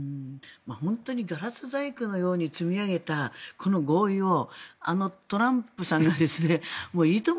本当にガラス細工のように積み上げたこの合意をあのトランプさんがいとも